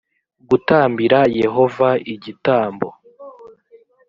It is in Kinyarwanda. gutambira yehova igitambo